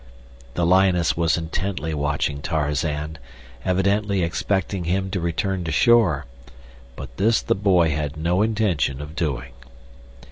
The lioness was intently watching Tarzan, evidently expecting him to return to shore, but this the boy had no intention of doing.